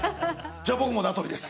じゃあ僕もなとりです。